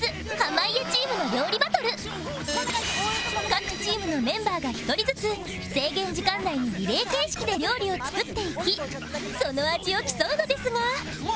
各チームのメンバーが１人ずつ制限時間内にリレー形式で料理を作っていきその味を競うのですが